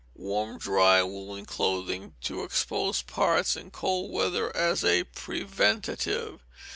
Warm, dry woollen clothing to exposed parts in cold weather, as a preventive.